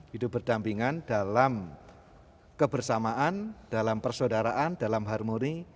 hidup berdampingan dalam kebersamaan dalam persaudaraan dalam harmoni